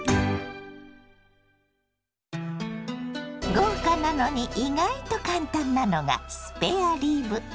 豪華なのに意外と簡単なのがスペアリブ。